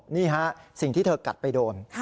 นี่ฮะสิ่งที่เธอกัดไปโดน